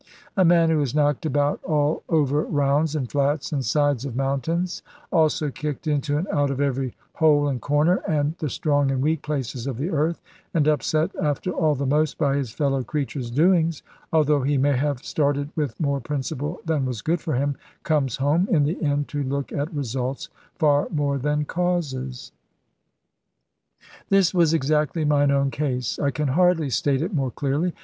A man who is knocked about, all over rounds, and flats, and sides of mountains, also kicked into and out of every hole and corner, and the strong and weak places of the earth, and upset after all the most by his fellow creatures' doings, although he may have started with more principle than was good for him, comes home, in the end, to look at results far more than causes. This was exactly mine own case. I can hardly state it more clearly.